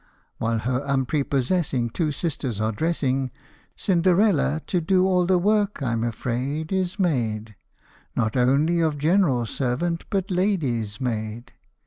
While her unprepossessing Two sisters are dressing, Cinderella to do all the work, I 'm afraid, is made, Not only of general servant, but lady's maid.